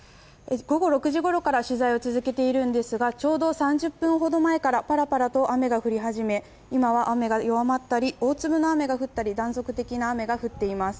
午後６時ごろから取材を続けているんですがちょうど３０分ほど前からパラパラと雨が降り始め今は雨が弱まったり大粒の雨が降ったり断続的な雨が降っています。